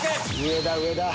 上だ上だ。